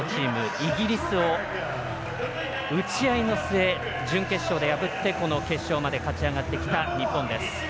イギリスを打ち合いの末、準決勝で破ってこの決勝まで勝ち上がってきた日本です。